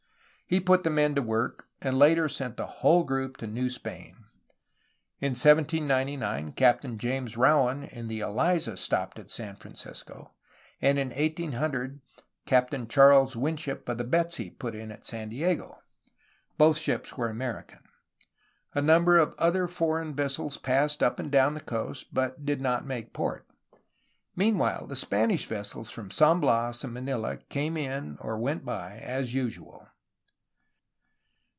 He put the men to work, and later sent the whole group to New Spain. In 1799 Captain James Rowan in the Eliza stopped at San Francisco, and in 1800 Captain Charles Winship of the Betsy put in at San Diego. Both ships were American. A number of other foreign vessels passed up and down the coast, but did not make port. Meanwhile, the Spanish ves sels from San Bias and Manila came in or went by, as usual.